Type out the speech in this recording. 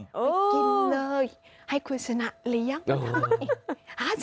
กินเลยให้คุณชนะเลี้ยงมาทำเอง